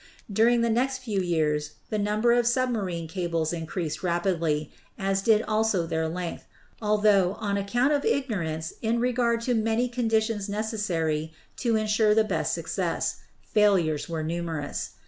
During the next few years the number of submarine cables increased rapidly, as did also their length, altho, on account of ig norance in regard to many conditions necessary to insure the best success, failures were numerous.